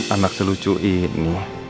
anak selucu ini